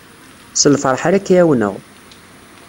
S lfarḥ ara k-ɛiwneɣ.